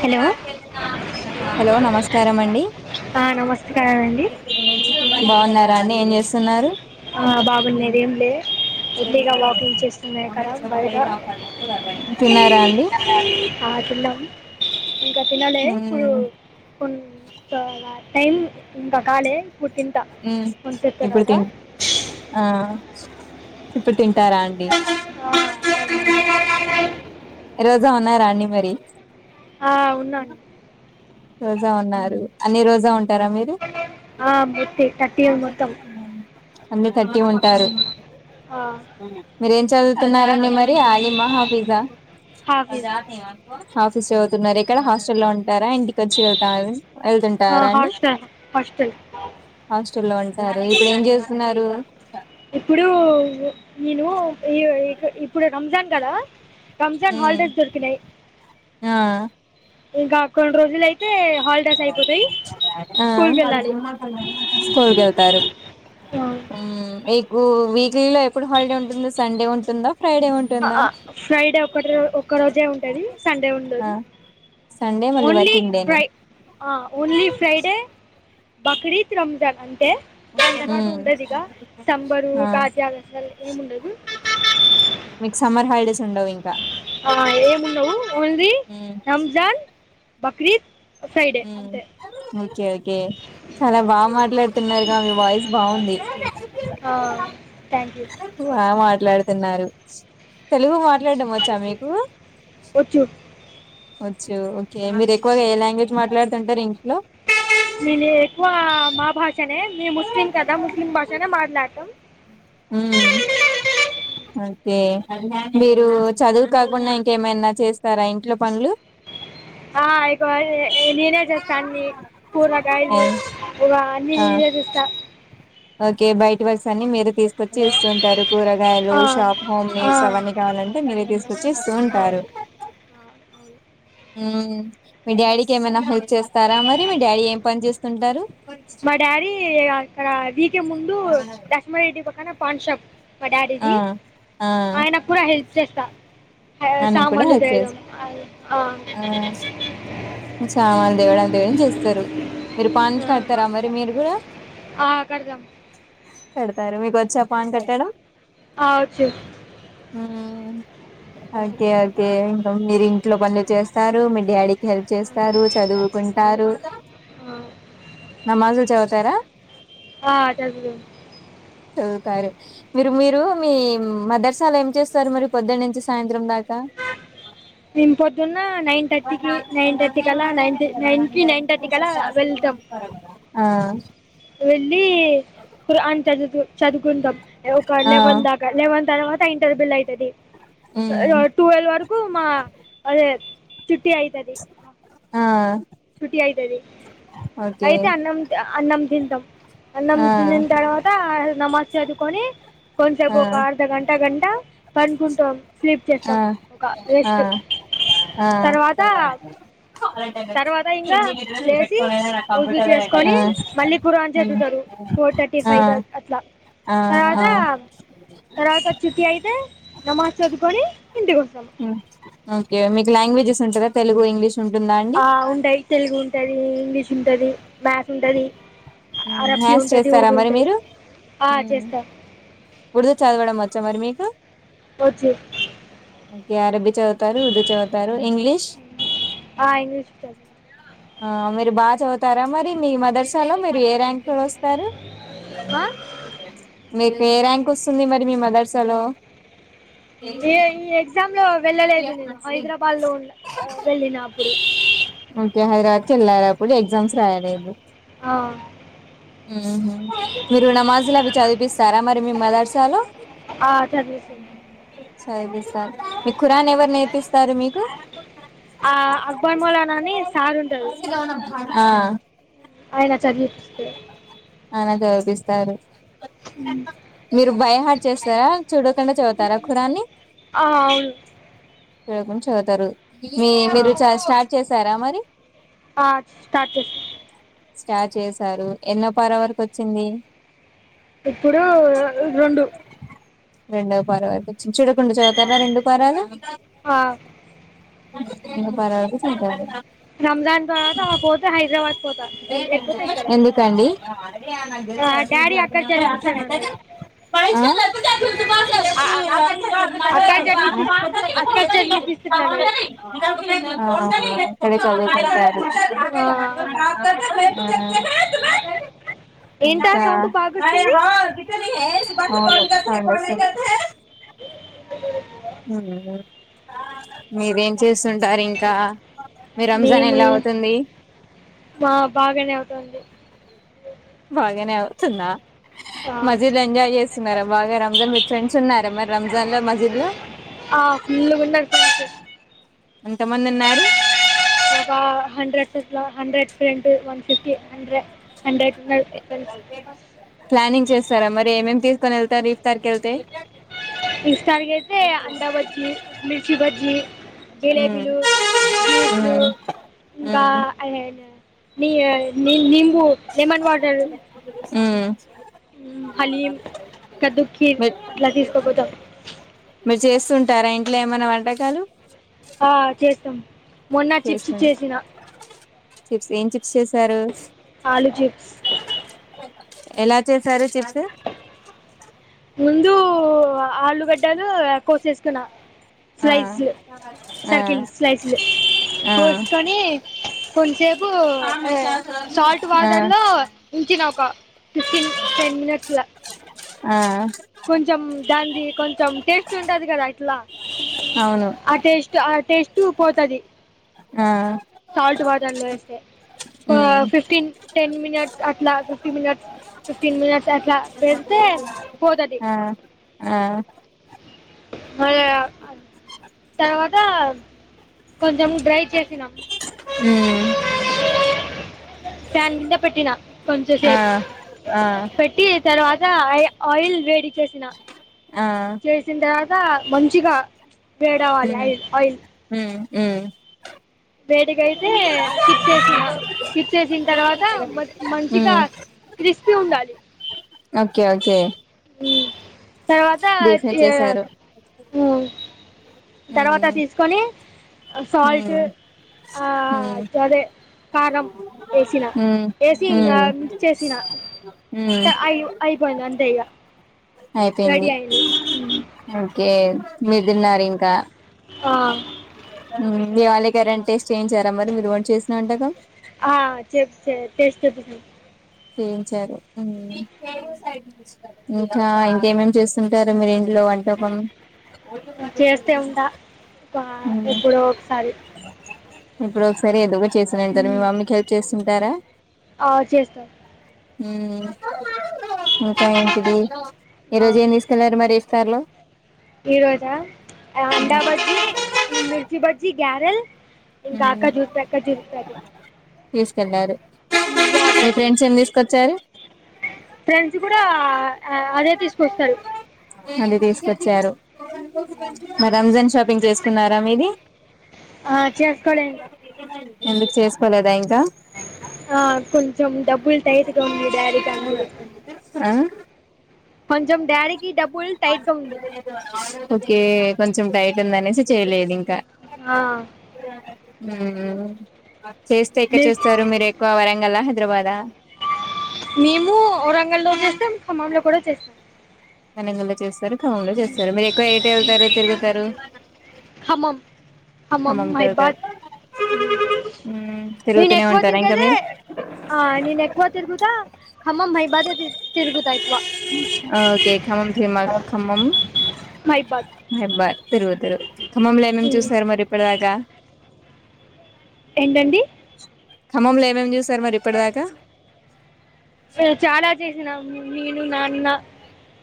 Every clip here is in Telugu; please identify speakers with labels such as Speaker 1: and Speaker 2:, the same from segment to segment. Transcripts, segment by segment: Speaker 1: హలో
Speaker 2: హలో నమస్కారం అండి
Speaker 1: ఆ, నమస్కారం అండి
Speaker 2: బాగున్నారా అండి ఏం చేస్త ఉన్నారు
Speaker 1: ఆ బాగున్నేదేం లే ఒట్టిగా వాకింగ్ చేస్తున్నాయి కదా బయట
Speaker 2: తిన్నారా అండి
Speaker 1: ఆ తిన్నాం ఇంకా తినాలే
Speaker 2: ఉమ్
Speaker 1: ఇప్పుడు కొ టైం ఇంకా కాలే [unintelligible] ఇప్పుడు తింటా
Speaker 2: ఉమ్
Speaker 1: కొంసేపు
Speaker 2: ఇప్పుడు
Speaker 1: తరువాత
Speaker 2: తిన్ ఆ ఇప్పటిం [inaudible] ఇంటారా అండి ఈ రోజు ఉన్నారాండి మరి
Speaker 1: ఆ ఉన్నాండి
Speaker 2: రోజా ఉన్నారు అన్ని రోజా ఉంటా
Speaker 1: ఆ బటి తట్టల్ మొత్తం
Speaker 2: అందరు థర్టీ ఉంటారు
Speaker 1: ఆ,
Speaker 2: మీరేం చల్ న్నారండి మరి అలీ మహాఫిజా
Speaker 1: హాఫీజ్
Speaker 2: హాఫీస్ అవుతున్నారు ఇక్కడ హస్టల్లో లో ఉంటారా చ్చి వెళ్తాం
Speaker 1: ఆ,
Speaker 2: వెళ్తుంటారా అండి
Speaker 1: హాస్టల్ హాస్టల్
Speaker 2: అ చల్ అ సరే ఇప్పుడు ఏం చేస్తున్నారు
Speaker 1: ఇప్పుడు నేను ఈ ఇ ఇప్పుడు రంజాన్ క్కడ రంజాన్
Speaker 2: ఉమ్
Speaker 1: హాలడేస్ దొరికినై
Speaker 2: ఆ
Speaker 1: ఇంకా కొన్ని రోజు లై
Speaker 2: ఆ
Speaker 1: స్కూల్కి వెళ్ళాలి
Speaker 2: స్కూల్కి వెళ్తారు మ్ ఎ ఉ వీక్లీ లో ఎప్పుడు హాలిడే ఉంటుంది సండే ఉంటుంద
Speaker 1: ఫ్రైడే ఒకటి ర ఒక్క రోజే ఉంటది సండే
Speaker 2: ఆ
Speaker 1: ఉండదు
Speaker 2: సండే మళ్ళీ వర్కింగ్ డే నే
Speaker 1: ఆ ఓన్లీ ఫ్రైడే బకర త్రా జ బెండకాట
Speaker 2: ఉమ్
Speaker 1: ఉండదిగా సంబరూర్
Speaker 2: ఆ
Speaker 1: గాజ్యావసం ఇము ఉండదు
Speaker 2: మీకు సమ్మర్ హాలిడేస్ ఉండవు ఇంకా
Speaker 1: ఆ ఏమున్నావవు ఓన్లీ
Speaker 2: ఉమ్
Speaker 1: రంజాన్ బకరీద్
Speaker 2: ఉమ్ ఓకే చాలా బాగా మాట్లాడుతున్నారుగా మీ వాయిస్ బాగుంది
Speaker 1: థ్యాంక్ యూ
Speaker 2: బా మాట్లాడుతున్నారు తెలుగు మా వెలాడ్డ వచ్చా మీకు
Speaker 1: వచ్చు
Speaker 2: వచ్చు ఓకే మీరు ఎక్కువగా ఏ లాంగ్వేజ్ మాట్లాడుతుంటారు ఇం
Speaker 1: నేను ఎక్కువ మా భాషనే మీ ముస్లిం కదా ముస్లిం భాషనే మాట్లాడతాం
Speaker 2: ఓకే మీరు చదువు కాకుండా ఇంకేమైనా చేస్తారా ఇంట్లో పనులు
Speaker 1: ఆ ఇకువ నేనే చేస్తా అన్ని కూరగాయలు
Speaker 2: ఆ
Speaker 1: ఇ అన్ని నేనే చేస్తా
Speaker 2: ఓకే బయట వస అని మీరు తీసుకు కొచ్చి ఇస్తూంటారు కూరగాయలు
Speaker 1: ఆ
Speaker 2: షాప్ హోమ్
Speaker 1: ఆ
Speaker 2: నీడ్స్ అవన్నీ కావాలంటే మీరు తీసుకొచ్చి ఇస్తూ
Speaker 1: ఆ
Speaker 2: ఉంటారు మీ డాడీకి ఏమైనా హెల్ప్ చేస్తారా మరి మీ డాడీ ఏం పని చేస్తుంటారు
Speaker 1: మా డాడీ అక్కడ అదీ కి ముందు దశ్మరెడ్డి పక్కన పాన్ షాప్ మా
Speaker 2: ఆ
Speaker 1: డాడీది ఆయన కూడా హెల్ప్ చేస్తా
Speaker 2: ఆ నేం కూడా
Speaker 1: సామాన్లు తేయడం
Speaker 2: చేస్ ఆ సామాన్ దేవడంతోగాని చేస్తరు మీరు పాన్ కడ్తారా, మరి మీరు కూడా
Speaker 1: ఆ కడదాం
Speaker 2: కడతారు మీకొ చ్చా పాన్ కట్టడం
Speaker 1: ఆ వచ్చు
Speaker 2: ఉమ్ ఓకే ఓకే ఇంక మీరు ఇంట్లో పనులు చేస్తారు మీ డాడీ హెల్ప్ చేస్తారు చదువుకుంటారు నమాజులు చదువు తారా
Speaker 1: ఆ చదివాం
Speaker 2: చదువుతారు మీరు మీరు మీ మదర్సాల ఏం చేస్తారు మరి పొద్దనుంచి సాయంత్రం దా
Speaker 1: మేం పోదున్న నైన్
Speaker 2: మ
Speaker 1: థర్టీకి
Speaker 2: నా
Speaker 1: నైన్ థర్టీ
Speaker 2: నన్న
Speaker 1: కల్లా
Speaker 2: నేద
Speaker 1: నైన్
Speaker 2: ఇద న
Speaker 1: నైన్కి నైన్
Speaker 2: డెట్
Speaker 1: థర్టీ
Speaker 2: షన్
Speaker 1: కల్లా వెళ్తాం
Speaker 2: క్లాస్ంత ఆ
Speaker 1: వెళ్ళి కురాన్ చదువు చదు కుంటాం ఎ ఒక
Speaker 2: ఆ
Speaker 1: లెవన్ దాకా లెవన్ తర్వాత ఇంటర్బెలయి తేలిద్ ఇగ
Speaker 2: మ్మ్
Speaker 1: టువల్వ్ వరకు మా అదే చుట్టి అయితది.
Speaker 2: ఆ
Speaker 1: చుట్టి అయితది.
Speaker 2: ఓకే
Speaker 1: అయితే అన్నం అన్నం దిన్ టం. అన్నం
Speaker 2: ఆ
Speaker 1: తినిన్ తర్వత ఆ నమాజ్ చదువుకోని కొన్సేపు ఒక
Speaker 2: ఆ
Speaker 1: అర్థగంట గం ట పనుకుంటాం. స్లీప్
Speaker 2: ఆ
Speaker 1: చేస్తాం ఒక రెస్ట్
Speaker 2: ఆ
Speaker 1: తర్వాత
Speaker 2: ఆ
Speaker 1: తర్వాత ఇంకా లేచి పూజలు చేసుకొని మళ్ళీ కురాన్ చదువుతారు ఫోర్ థర్టీ
Speaker 2: ఆ
Speaker 1: ఫైవ్క్ అట్లా
Speaker 2: ఆ ఆ
Speaker 1: తర్వాతా తర్వాత చుట్టి అయితే నమాజ్ చదుకొని ఇంటికి వస్తాము.
Speaker 2: ఒకే మీకు లాంగ్వేజెస్ ఉంటవా తెలుగుఇంగ్లీష్.
Speaker 1: ఆ ఉంటాయి తెలుగు ఉం ఉంటది ఇంగ్లీష్ ఉంటది. మ్యాథ్స్ ఉంటది.
Speaker 2: ఊ మ్యాథ్స్ చేస్తారా మరి మీరు ఊ
Speaker 1: చేస్తా
Speaker 2: ఉర్దూ చదవడం వచ్చా మరి మీకు
Speaker 1: వచ్చు
Speaker 2: ఒకే అరబీ చదువుతారు, ఉర్దూ చదువుతారు, ఇంగ్లీష్
Speaker 1: ఆ, ఇంగ్లీష్ ఉంటుంది
Speaker 2: ఆ మీరు బాగా చదువుతారా మరి మీ మదర్సలో మీరు ఏ ర్యాంక్ లో వస్త స్తారు
Speaker 1: ఆ?
Speaker 2: మీరూ ఏ ర్యాంక్ వస్తుంది మరి మీ మదర్సాలో
Speaker 1: ఈ ఈ ఎక్జామ్ లో వెళ్ళలేదు నేను హైదరాబాద్లో ఉన్న వెళ్ళిన అప్పుడు
Speaker 2: చెల్లారప్పుడు ఎగ్జామ్స్ రాయలేదు.
Speaker 1: ఆ,
Speaker 2: ఊహు మీరు నమాజులు అవి చదువిపిస్తారా మరి మీ మదర్సలో
Speaker 1: ఆ, చదివిస్తాను
Speaker 2: చదువిపిస్తారు. అని ఎవరు నేర్పిస్తారు మీకు
Speaker 1: ఆ, అక్బర్ మౌలానా అని సార్ ఉంటాడు
Speaker 2: ఆ
Speaker 1: ఆయన చదివిపిస్తే
Speaker 2: సారూ మీరు బైహాడ్ చేస్తారా చూడకుండా చదుతారా ఖురాన్ని
Speaker 1: ఆ, అవును
Speaker 2: చూడకుండ చదువుతారు మీ
Speaker 1: ఆ,
Speaker 2: మీరు చ స్టార్ట్ చేస్ తరా మరి
Speaker 1: ఆ, స్టార్ట్ చేస్తాను
Speaker 2: స్టార్ట్ చేసి సారు ఎన్నో పర వరకు వచ్చింది.
Speaker 1: ఇప్పుడూ రెండు
Speaker 2: రెండో పర్వతీ చూడకుండా చదువుతారా రెండు పరాలు
Speaker 1: ఆ,
Speaker 2: ఇకా పార వకు సంత
Speaker 1: రంజాన్ తర్వాత ఆ పోతే హైదరాబాద్ పోతా లేకపోతే ఇక్కడ
Speaker 2: ఎందుకండి
Speaker 1: డాడీ అక్కడ చదివిపిస్తాను అన్నాడు అ- అ- అక్కడ చదివిపి అక్కడ చదివిపిస్తాను అన్నాడు
Speaker 2: క్కడ చదుతా
Speaker 1: ఆ,
Speaker 2: [unintelligible]
Speaker 1: ఏంటా
Speaker 2: ఇంకా
Speaker 1: సౌండ్ బాగా
Speaker 2: అ సరే
Speaker 1: వస్తుంది
Speaker 2: [unintelligible]
Speaker 1: అ
Speaker 2: హ మీరేం చేస్త్ స్తుంటారు ఇంకా మీ రంజాన్
Speaker 1: మేము
Speaker 2: ఎలా అవుతుంది
Speaker 1: మా బాగానే అవుతుంది
Speaker 2: బాగా నే అవుతుందా మజీద్ లో ఎంజాయ్ చేస్తున్నారా బాగా రంజాన్ విత్ ఫ్రెండ్స్ ఉన్నారా మరి రంజాన్ లో మజీద్ లో
Speaker 1: ఫుల్గా ఉన్నారు ఫ్రెండ్స్
Speaker 2: ఎంతమంది ఉన్నారు
Speaker 1: ఒక హండ్రెడ్ హండ్రెడ్ ఫె వన్ ఫిఫ్టీ హండ్రెడ్ హండ్రెడ్ ఉన్నారు ఫ్రెండ్స్
Speaker 2: ప్లానింగ్ చేస్త స్తారా మరి ఏమేమి తీసుకొని వెళ్తారు ఇఫ్తార్ కి వెళ్తే
Speaker 1: ఇష్టానికిైతే అందబజ్జి మిర్చి బజ్జి
Speaker 2: ఉమ్,
Speaker 1: జిలేబీలు జూస్లు
Speaker 2: ఉమ్,
Speaker 1: ఇంకా
Speaker 2: ఉమ్.
Speaker 1: అ ని నింబు లెమన్ వాటర్
Speaker 2: ఉమ్
Speaker 1: హలీం కద్దుకిర్
Speaker 2: మీర్
Speaker 1: అట్లా తీసుకోపోతాం
Speaker 2: మీరు చేస్తుంటారా ఇంట్లో ఏమైనా వంటకాలు
Speaker 1: ఆ చేస్తాం మొన్న చిప్స్
Speaker 2: చేస్తుం
Speaker 1: చేసిన
Speaker 2: చిప్స్ ఏం చిప్ చేసారు
Speaker 1: ఆలు చిప్స్
Speaker 2: ఎలా చేసారు చిప్స్
Speaker 1: ముందు ఆలుగడ్డలు కోసేసుకున్నా
Speaker 2: ఆ
Speaker 1: స్లైస్లు
Speaker 2: ఆ
Speaker 1: సర్కిల్ స్లైస్లు
Speaker 2: ఆ
Speaker 1: పోసుకొని కొంసేపు సాల్ట్
Speaker 2: ఆ
Speaker 1: వాటర్లో ఉంచిన ఒక ఫిఫ్టీన్ టెన్ మినిట్స్ల
Speaker 2: ఆ
Speaker 1: కొంచెం దాంది కొంచెం టేస్ట్ ఉంటది కదా ఇట్లా
Speaker 2: అవును
Speaker 1: అ టేస్ట్ అ టేస్ట్ టు పోతది
Speaker 2: ఆ
Speaker 1: సల్ట్ వాటర్ లో వేస్తే
Speaker 2: ఉమ్
Speaker 1: ఫిఫ్టీన్ టెన్ మినిట్స్ అట్లా ఫిఫ్టీ మినిట్స్ ఫిఫ్టీన్ మినిట్స్ అట్లా పెడితే పోతది
Speaker 2: ఆ ఆ
Speaker 1: మరి తర్వాత కొంచము డ్రై చేసినం
Speaker 2: ఉమ్
Speaker 1: ఫ్యాన్ కింద పెట్టినా కొంచెం
Speaker 2: ఆ
Speaker 1: సేపు
Speaker 2: ఆ
Speaker 1: పెట్టి తర్వా ఆయిల్ వేడి చేసిన
Speaker 2: ఆ
Speaker 1: చేసిందా త మంచిగా వేడవాలి ఆయిల్ ఆయిల్
Speaker 2: హ్మ్ హ్మ్
Speaker 1: వేడిగయితే చిప్స్ ఏసిన చిప్స్ వేసిన తర్వాత మ మంచి గా
Speaker 2: ఉమ్
Speaker 1: క్రిస్పీ ఉండాలి
Speaker 2: ఓకే ఓకే
Speaker 1: హ్మ్ తర్వాత
Speaker 2: డీప్ ఫ్రై
Speaker 1: య
Speaker 2: చేసారు
Speaker 1: ఉహ్ తర్వాత
Speaker 2: ఉమ్
Speaker 1: తీసుకొని సాల్ట్
Speaker 2: ఉమ్
Speaker 1: ఆ
Speaker 2: ఉమ్
Speaker 1: అదే కారంం ఏసిన
Speaker 2: ఉమ్
Speaker 1: ఏసి మిక్స్ చేసి సినా
Speaker 2: హహ్మ్మ్
Speaker 1: పోయింది అంతే ఇగ రెడీ అయింది
Speaker 2: ఒకే మీరూదిన్నారు ఇంకా
Speaker 1: ఆహ్
Speaker 2: ఉహ్మ్మ్ హు దివాళి కే రెంటిస్ చేయించారా మరి మీరు ఒకటి చేసినాంటగా
Speaker 1: చె టెస్ట్ చేసిన
Speaker 2: చేయించారు ఇంకా ఇంకేమేమి చేస్తుంటారు మీరుే లో వంటకం
Speaker 1: చేస్తే ఉంటా ఒక-
Speaker 2: హ్మ్మ్
Speaker 1: ఎప్పుడో ఒకసారి
Speaker 2: ఇప్పుడు ఒకసారి ఏదు చేసాను అంటారు మీ
Speaker 1: మ్మ్.
Speaker 2: మమ్మీకి హెల్ప్ చేస్తుంటారా
Speaker 1: ఆ చేస్తాను
Speaker 2: ఉమ్ ఇంకా ఎంటిది ఈరోోజు ఏం తీసుకెళ్లారు మరి సర్లో
Speaker 1: ఈ రోజా అండా బజ్జీ మిర్చి బజ్జి గ్యారెల్ ఇంకా అక్క
Speaker 2: ఉమ్
Speaker 1: జూస్ పక్క జూస్ పె
Speaker 2: తీసుకెళ్లారు
Speaker 1: హ్మ్మ్
Speaker 2: మీ
Speaker 1: వాటర్
Speaker 2: ఫ్రెండ్స్ ఏం తీసుకొచ్చారు
Speaker 1: ఫ్రెండ్స్ కూడా అదే తీసుకొస్తారు
Speaker 2: చ్చారు మరి రంజన్ షాపింగ్ చేసుకున్నారా మీది
Speaker 1: ఆ, చేసుకోలే ఇంకా
Speaker 2: ఎందుకు చేసుకోలేదా ఇంకా
Speaker 1: ఆ కొంచం డబ్బులు టైట్ గా ఉంది డాడీ తో అందుక్
Speaker 2: ఆ
Speaker 1: కొంచెం డాడీ కి డబ్బులు టైట్గా ఉంది
Speaker 2: చామ్ టైట్ ఉంది అనేసి చేయలేదు ఇంకా
Speaker 1: ఆ,
Speaker 2: ఉమ్ చేస్తే ఎక్కడ
Speaker 1: మిర్చి
Speaker 2: చేస్తారు మీరు ఎక్కువ వరంగల్ల్ హైదరాబదా
Speaker 1: మేము వరంగల్లో చేస్తాం ఖమ్మంలో కూడా చేస్తాం
Speaker 2: నన గ చేస్తా కమ్మం లో చేస్తారు మీరు ఎక్కువ ఎయిట్ వెళ్తారు తిరుగుతారు
Speaker 1: కమ్మం హమ్మం
Speaker 2: ఖమ్మంకి వెళ్తారు
Speaker 1: మహిబాద్
Speaker 2: మ్మ్
Speaker 1: నేను
Speaker 2: తిరుగుతూనే
Speaker 1: ఎక్కువ
Speaker 2: ఉంటారా ఇంకా
Speaker 1: తిరిగదే
Speaker 2: మీరు
Speaker 1: ఆ నేను ఎక్కువ తిరుగుతా హమ్మం మహిబాదే తిరుగుతా ఎక్కువ
Speaker 2: ఓకే ఖమ్మం తిరుమ ఖమ్మం
Speaker 1: మహిబాద్
Speaker 2: ఖమంలో ఏమే చూసారు మరి పడ గ
Speaker 1: ఎంటండి
Speaker 2: కమ్మం లో ఏమేం
Speaker 1: చాలా చేసినా నను నాన్న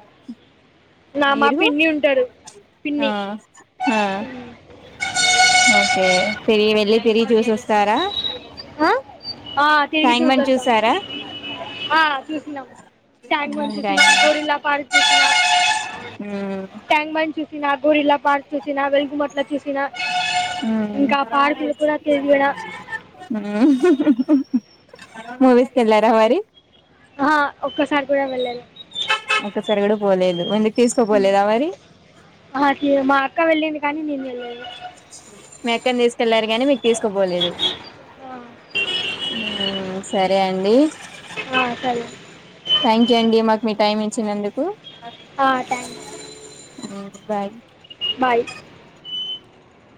Speaker 2: అ
Speaker 1: నా మా
Speaker 2: మీరు
Speaker 1: పిన్ని ఉంటారు పిన్ని
Speaker 2: ఓకే వెళ్ళి తిరిగి చూసి వస్తారా
Speaker 1: తరికి చూస్త
Speaker 2: బండ్ చూసారా
Speaker 1: చూ న్నా ట్యాంగ్ బండ్ చూసినా గొరిల్లా పార్
Speaker 2: ఊ
Speaker 1: నాగూరిల్లా పార్క్ చూ సినా వెలుగుమట్ల చూసినా
Speaker 2: మ్మ్
Speaker 1: ఇంకా పార్కులు కూడా తిరిగిడ
Speaker 2: మూవీస్ కెళ్ళారా మరి
Speaker 1: ఆ ఒక్కసారి కూడా వెళ్ళలే
Speaker 2: ఒక్కసారి గూడా పోలేదు ఓన్లీ
Speaker 1: ఆ కీ మా అక్క వెళ్ళింది కానీ నేను [inaudible]
Speaker 2: మీ అక్కనిఐ తీసుకెళ్లారు గాని మీకు తీసుకుపోలేదు సరే అండి
Speaker 1: సరే
Speaker 2: థ్యాంక్ యూ అండి మాకు మీ టైమ్ ఇచ్చినందుకు
Speaker 1: ఆ టాంక్
Speaker 2: మ్మ్ బాయ్
Speaker 1: బాయ్